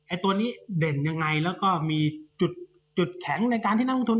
ตัวนี้เด่นยังไงแล้วก็มีจุดจุดแข็งในการที่นักลงทุน